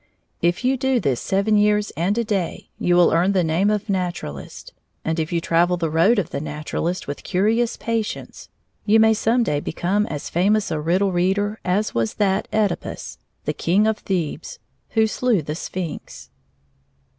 If you do this seven years and a day, you will earn the name of Naturalist; and if you travel the road of the naturalist with curious patience, you may some day become as famous a riddle reader as was that Oedipus, the king of Thebes, who slew the Sphinx.